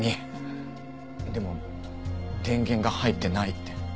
でも電源が入ってないって。